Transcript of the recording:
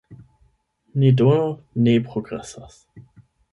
Ni do ne progresas.